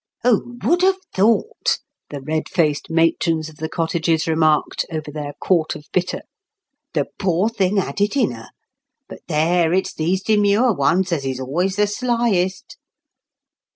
"Who would have thought," the red faced matrons of the cottages remarked, over their quart of bitter, "the pore thing had it in her! But there, it's these demure ones as is always the slyest!"